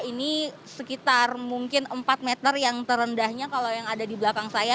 ini sekitar mungkin empat meter yang terendahnya kalau yang ada di belakang saya